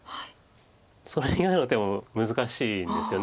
それ以外の手も難しいんですよね。